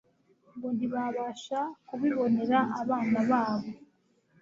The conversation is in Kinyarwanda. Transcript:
ngo ntibabasha kubibonera abana babo